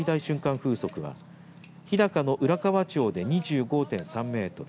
風速は日高の浦河町で２５．３メートル